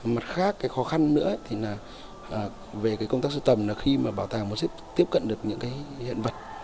mặt khác khó khăn nữa thì là về công tác siêu tầm là khi mà bảo tàng muốn tiếp cận được những hiện vật